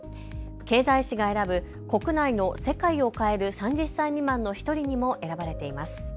経済誌が選ぶ国内の世界を変える３０歳未満の１人にも選ばれています。